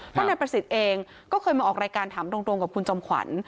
เพราะนายประสิทธิ์เองก็เคยมาออกรายการถามตรงกับคุณจอมขวัญ